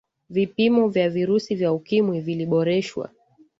vipimo vya virusi vya ukimwi viliboreshwa